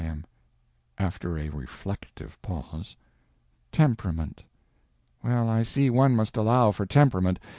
M. (_After a reflective pause) _Temperament. Well, I see one must allow for temperament.